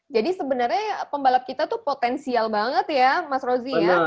jadi sebenarnya pembalap kita tuh potensial banget ya mas rozzi ya